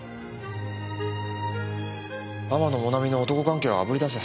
天野もなみの男関係をあぶり出せ。